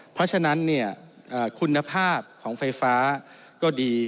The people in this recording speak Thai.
เพราะฉะนั้นคุณภาพของไฟฟ้าก็ดี